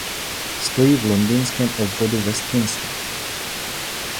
Stojí v Londýnském obvodu Westminster.